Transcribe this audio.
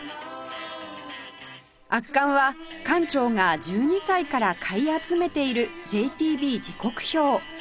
圧巻は館長が１２歳から買い集めている『ＪＴＢ 時刻表』